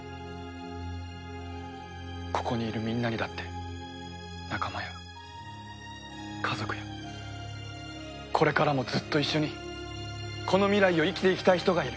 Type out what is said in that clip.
ここにいるみんなにだって仲間や家族やこれからもずっと一緒にこの未来を生きていきたい人がいる。